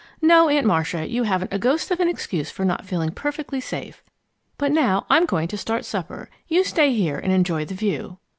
No, Aunt Marcia, you haven't a ghost of an excuse for not feeling perfectly safe. But now I'm going in to start supper. You stay here and enjoy the view."